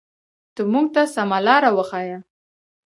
ته مونږ ته سمه لاره وښایه.